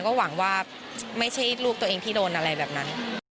ก็หวังว่าไม่ใช่ลูกตัวเองที่โดนอะไรแบบนั้น